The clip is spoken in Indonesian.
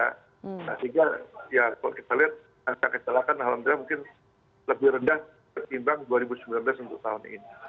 nah sehingga ya kalau kita lihat angka kecelakaan hal hal mungkin lebih rendah berkimbang dua ribu sembilan belas untuk tahun ini